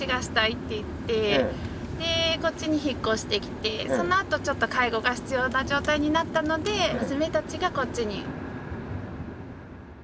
でこっちに引っ越してきてそのあとちょっと介護が必要な状態になったので娘たちがこっちに。